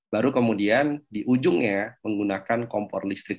baru kemudian di ujungnya menggunakan kompor listrik